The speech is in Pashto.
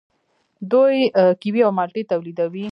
دوی کیوي او مالټې تولیدوي.